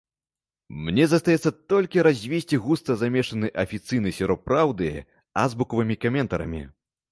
Мне застаецца толькі развесці густа замешаны афіцыйны сіроп праўды азбукавымі каментарамі.